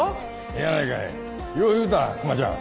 ええやないかよう言うたクマちゃん。